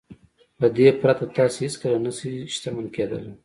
له دې پرته تاسې هېڅکله نه شئ شتمن کېدلای.